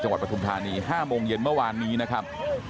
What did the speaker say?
จังหวัดประธุมธานีห้าโมงเย็นเมื่อวานนี้นะครับ